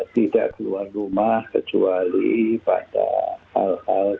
tidak keluar rumah kecuali pada hal hal